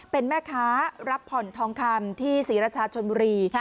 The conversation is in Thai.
เป็นแม่ค้ารับผ่อนทองคำที่ศรีราชาชนบุรี